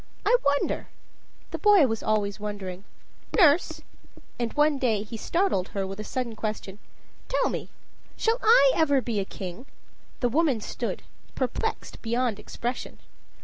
I wonder" the boy was always wondering "Nurse," and one day he startled her with a sudden question, "tell me shall I ever be a king?" The woman stood, perplexed beyond expression.